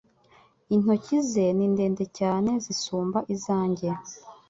intoki ze ni ndende cyane zisumba izange